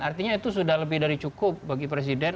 artinya itu sudah lebih dari cukup bagi presiden